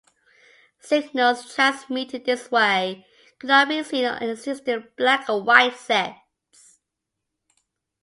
Signals transmitted this way could not be seen on existing black-and-white sets.